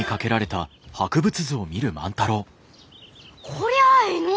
こりゃあえいの！